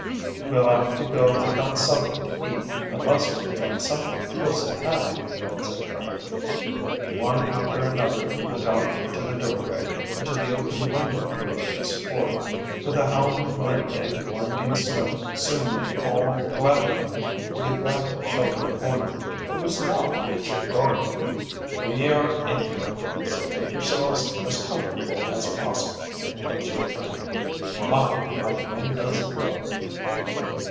"We'll have to go without something to eat, unless we can find something close at hand," said Frank. One after another went out to the doorway and to the open window and gazed forth. But the howling wind and blinding snow soon made all glad enough to get back to the sheltered corner. It was now pitch dark. "We are in for it, so make yourselves as comfortable as possible," observed Frank. "My, how the wind does blow!"